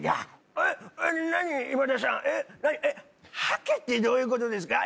「吐け」ってどういうことですか？